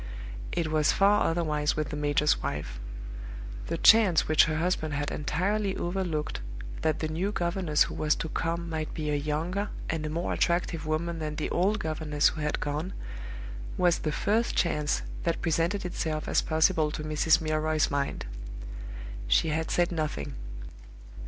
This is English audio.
It was far otherwise with the major's wife. The chance which her husband had entirely overlooked, that the new governess who was to come might be a younger and a more attractive woman than the old governess who had gone, was the first chance that presented itself as possible to Mrs. Milroy's mind. She had said nothing.